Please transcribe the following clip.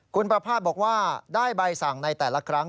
คุณประภาษณ์บอกว่าได้ใบสั่งในแต่ละครั้ง